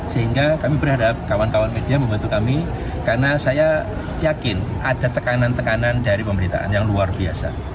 sehingga kami berharap kawan kawan media membantu kami karena saya yakin ada tekanan tekanan dari pemberitaan yang luar biasa